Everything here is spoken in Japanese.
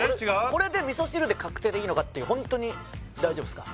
これで味噌汁で確定でいいのかっていうホントに大丈夫すか？